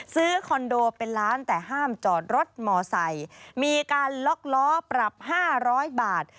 คอนโดเป็นล้านแต่ห้ามจอดรถมอไซค์มีการล็อกล้อปรับ๕๐๐บาท